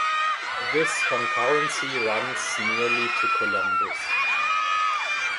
This concurrency runs nearly to Columbus.